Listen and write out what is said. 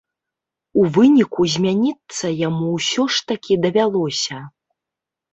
У выніку, замяніцца яму ўсё ж такі давялося.